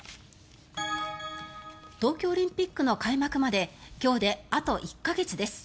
東京オリンピックの開幕まで今日であと１か月です。